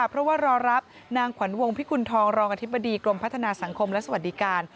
เพราะว่ารอรับนางขวัญวงพิกุณฑองรองอธิบดีกรมพัฒนาสังคมและสวัสดิการ